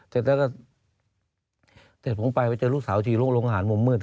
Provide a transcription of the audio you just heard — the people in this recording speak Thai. เสร็จแล้วก็เสร็จผมไปไปเจอลูกสาวทีลูกโรงอาหารมุมมืด